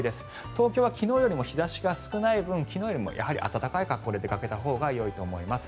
東京は昨日よりも日差しが少ない分昨日よりも暖かい格好で出かけたほうがよいと思います。